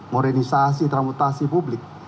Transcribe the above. merenisasi transportasi publik